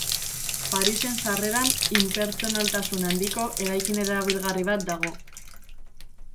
Parisen sarreran inpertsonaltasun handiko eraikin erabilgarri bat dago.